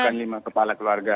ini bukan lima kepala keluarga